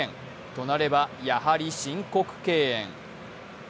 となれば、やはり申告敬遠。